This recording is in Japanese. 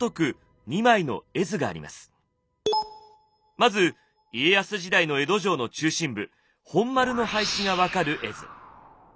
まず家康時代の江戸城の中心部本丸の配置が分かる絵図。